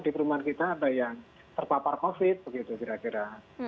di perumahan kita ada yang terpapar covid begitu kira kira